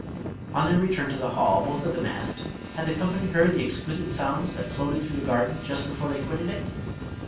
On their re turn to the hall, both of them asked. Had the company heard the exquisite sounds that floated through the garden just before they quitted it?